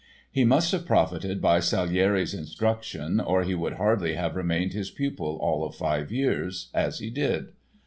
He must have profited by Salieri's instruction or he would hardly have remained his pupil all of five years, as he did.